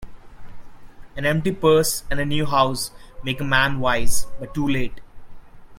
An empty purse, and a new house, make a man wise, but too late.